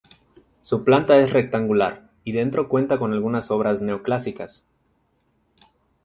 Su planta es rectangular y dentro cuenta con algunas obras neoclásicas.